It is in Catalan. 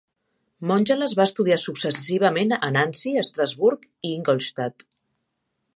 Montgelas va estudiar successivament a Nancy, Estrasburg i Ingolstadt.